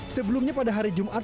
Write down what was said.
sebelumnya pada hari jumat